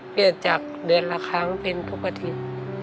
เปลี่ยนจากเดือนละครั้งเป็นทุกอาทิตย์